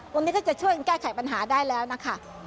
วันนี้ก็จะช่วยกันแก้ไขปัญหาได้แล้วนะคะ